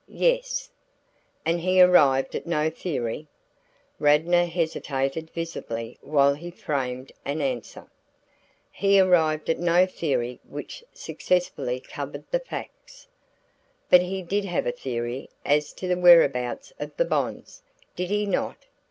"Yes." "And he arrived at no theory?" Radnor hesitated visibly while he framed an answer. "He arrived at no theory which successfully covered the facts." "But he did have a theory as to the whereabouts of the bonds, did he not?"